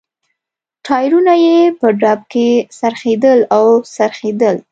ټایرونه یې په ډب کې څرخېدل او څرخېدل.